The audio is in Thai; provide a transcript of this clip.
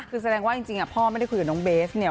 คือแสดงว่าจริงพ่อไม่ได้คุยกับน้องเบสเนี่ย